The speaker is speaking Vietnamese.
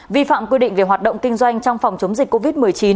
vi phạm quy định về hoạt động kinh doanh trong phòng chống dịch covid một mươi chín